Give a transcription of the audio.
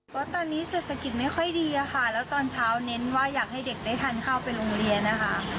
เพราะตอนนี้เศรษฐกิจไม่ค่อยดีค่ะแล้วตอนเช้าเน้นว่าอยากให้เด็กได้ทานข้าวไปโรงเรียนนะคะ